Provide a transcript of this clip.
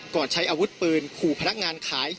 ใช้อาวุธปืนขู่พนักงานขาย